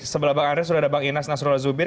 sebelah bang andre sudah ada bang inas nasrullah zubir